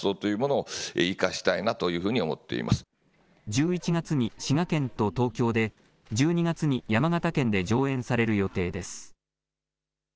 １１月に滋賀県と東京で、１２月に山形県で上演される予定です。